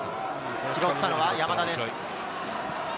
拾ったのは山田です。